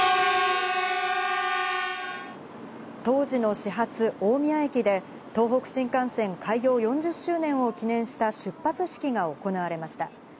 当時の始発、大宮駅で、東北新幹線開業４０周年を記念した出発式が行われました。